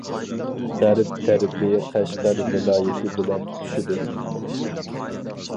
غەرب تەرىپى قەشقەر ۋىلايىتى بىلەن تۇتىشىدۇ.